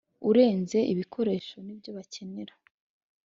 urenze ibikoresho n ibyo bakenera